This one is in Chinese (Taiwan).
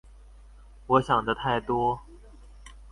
我想的太多